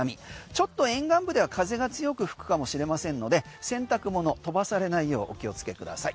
ちょっと沿岸部では風が強く吹くかもしれませんので洗濯物、飛ばされないようお気をつけください。